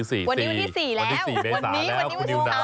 วันนี้วันที่๔เมษาแล้วคุณอยู่หน้า